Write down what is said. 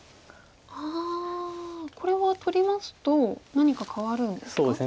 あこれは取りますと何かかわるんですか？